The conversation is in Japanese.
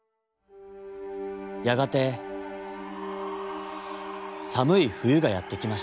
やがてさむいふゆがやってきました。